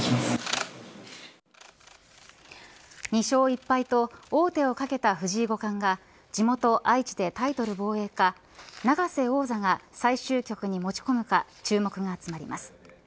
２勝１敗と王手を懸けた藤井五冠が地元愛知でタイトル防衛か永瀬王座が最終局に持ち込むか注目が集まります。